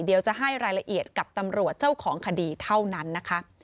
เดี๋ยวจะให้รายละเอียดกับตำรวจเจ้าของคดีเท่านั้นนะคะ